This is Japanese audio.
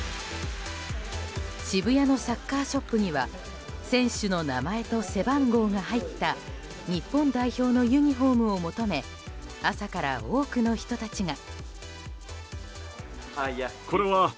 渋谷のサッカーショップには選手の名前と背番号が入った日本代表のユニホームを求め朝から多くの人たちが。